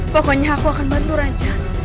pokoknya aku akan bantu raja